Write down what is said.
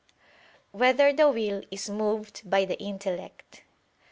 1] Whether the Will Is Moved by the Intellect?